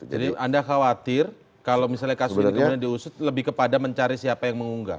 jadi anda khawatir kalau misalnya kasus ini kemudian diusut lebih kepada mencari siapa yang mengunggah